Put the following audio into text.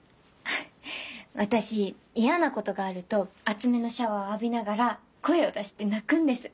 私嫌なことがあると熱めのシャワーを浴びながら声を出して泣くんです。